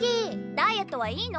ダイエットはいいの？